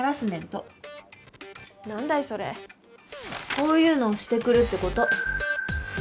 こういうのをしてくるってこと。